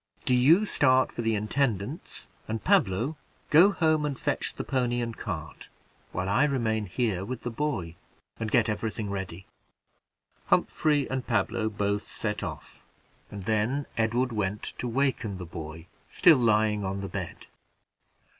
Do you start for the intendant's; and, Pablo, go home and fetch the pony and cart, while I remain here with the boy, and get every thing ready." Humphrey and Pablo both set off, and then Edward went to waken the boy, still lying on the bed.